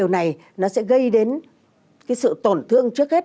nó sẽ gây đến cái sự tổn thương trước hết